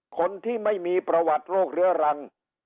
คนที่ไม่มีประวัติโรคเรื้อรัง